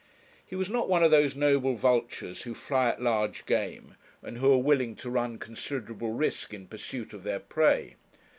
He was not one of those noble vultures who fly at large game, and who are willing to run considerable risk in pursuit of their prey.